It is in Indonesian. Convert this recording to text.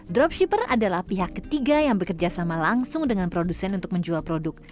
dropshipper adalah pihak ketiga yang bekerja sama langsung dengan produsen untuk menjual produk